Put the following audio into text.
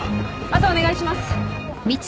・あとお願いします。